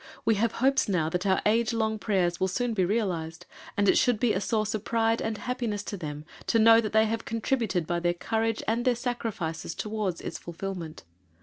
We have hopes now that our age long prayers will soon be realized, and it should be a source of pride and happiness to them to know that they have contributed by their courage and their sacrifices toward its fulfilment.